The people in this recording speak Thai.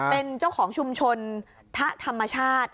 เป็นเจ้าของชุมชนทะธรรมชาติ